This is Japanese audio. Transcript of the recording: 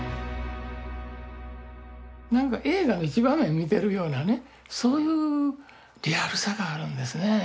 なんか映画の一場面見てるようなねそういうリアルさがあるんですね。